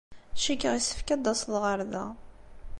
Cikkeɣ yessefk ad d-taseḍ ɣer da.